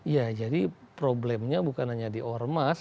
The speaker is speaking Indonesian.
ya jadi problemnya bukan hanya di ormas